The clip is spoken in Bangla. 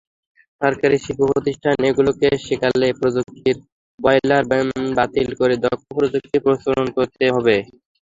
সরকারি শিল্পপ্রতিষ্ঠানগুলোকেও সেকেলে প্রযুক্তির বয়লার বাতিল করে দক্ষ প্রযুক্তির প্রচলন করতে হবে।